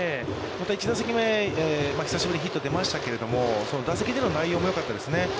また１打席目、久しぶりにヒットが出ましたけれども、打席での内容もよかったですね。